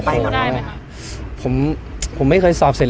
อ๋อเขายังไม่สอบด้วย